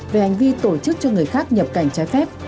về hành vi tổ chức cho người khác nhập cảnh trái phép